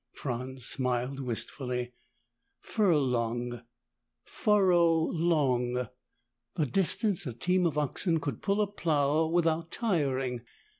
Franz smiled wistfully. Furlong furrow long the distance a team of oxen could pull a plow without tiring.